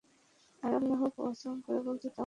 আর আল্লাহর কসম করে বলছি, তা অবশ্যই হবে।